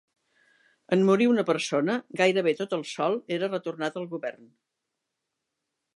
En morir una persona, gairebé tot el sòl era retornat al govern.